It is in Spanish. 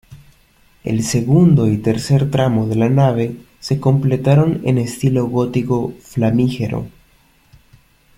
El segundo y tercer tramo de la nave se completaron en estilo gótico flamígero.